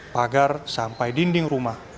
pagar sampai dinding rumah